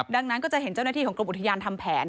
ดังนั้นก็จะเห็นเจ้าหน้าที่ของกรมอุทยานทำแผน